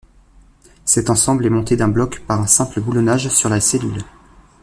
Cet ensemble est monté d'un bloc par un simple boulonnage sur la cellule.